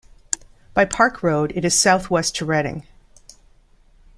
By Park Road it is southwest to Reading.